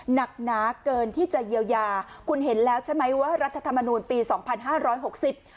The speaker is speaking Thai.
หนักหนาเกินที่จะเยียวยาคุณเห็นแล้วใช่ไหมว่ารัฐธรรมนูลปีสองพันห้าร้อยหกสิบ